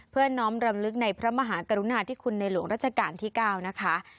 เพื่อน้อมรำลึกในพระมหากรุณาธิคุณในหลวงราชการที่๙นะคะ